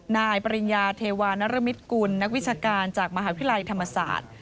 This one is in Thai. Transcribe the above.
ปริญญาเทวานรมิตกุลนักวิชาการจากมหาวิทยาลัยธรรมศาสตร์